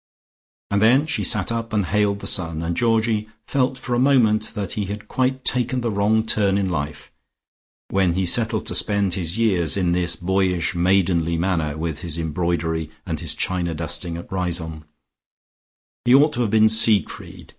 And then she sat up and hailed the sun, and Georgie felt for a moment that he had quite taken the wrong turn in life, when he settled to spend his years in this boyish, maidenly manner with his embroidery and his china dusting at Riseholme. He ought to have been Siegfried....